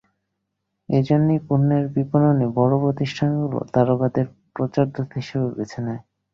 এ জন্যই পণ্যের বিপণনে বড় প্রতিষ্ঠানগুলো তারকাদের পণ্যের প্রচারদূত হিসেবে বেছে নেয়।